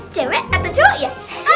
cewek atau cowok ya